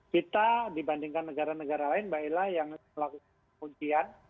kita dibandingkan negara negara lain mbak ila yang melakukan ujian